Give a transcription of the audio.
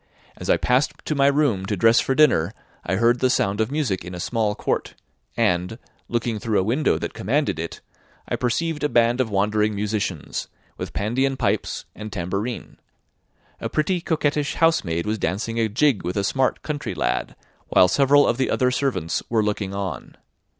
As I passed to my room to dress for dinner, I heard the sound of music in a small court, and, looking through a window that commanded it, I perceived a band of wandering musicians, with pandean pipes and tambourine; a pretty, coquettish housemaid was dancing a jig with a smart country lad, while several of the other servants were looking on.